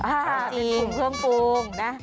เป็นถุงเครื่องปรุงนะ